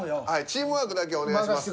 チームワークだけはお願いします。